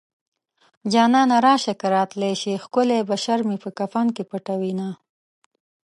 جانانه راشه که راتلی شې ښکلی بشر مې په کفن کې پټوينه